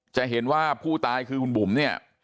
จะเห็นว่าผู้ตายคือคุณบุ๋มเนี่ย